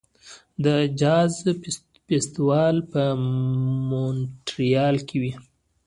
د جاز فستیوال په مونټریال کې وي.